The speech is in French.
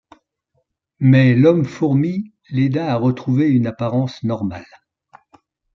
Mais l'Homme-Fourmi l'aida à retrouver une apparence normale.